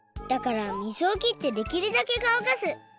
だから水をきってできるだけかわかす。